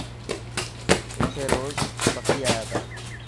اٿي روز پکي آئي تا.